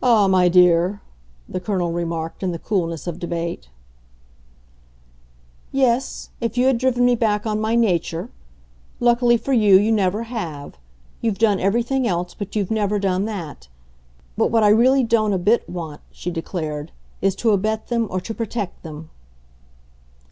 "Ah, my dear!" the Colonel remarked in the coolness of debate. "Yes, if you had driven me back on my 'nature.' Luckily for you you never have. You've done every thing else, but you've never done that. But what I really don't a bit want," she declared, "is to abet them or to protect them."